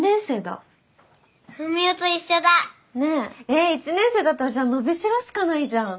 えっ１年生だったらじゃあ伸びしろしかないじゃん。